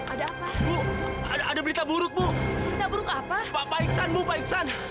ada apa ada berita burukmu apa apa ikhsan ikhsan